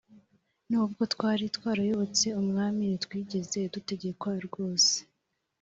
nubwo twari twarayobotse umwami ntitwigeze dutegekwa rwose